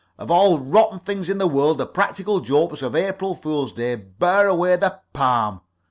Of all rotten things in the world the practical jokes of April fool's day bear away the palm.